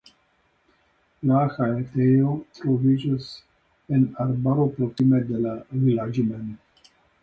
La haltejo troviĝas en arbaro proksime de la vilaĝo mem.